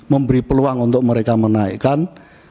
memberi peluang untuk mereka menaikkan